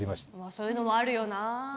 そういうのもあるよな。